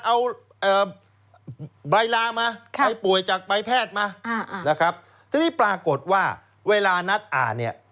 เอาใบลามาใบป่วยจากใบแพทย์มานะครับทีนี้ปรากฏว่าเวลานัดอ่านเนี่ย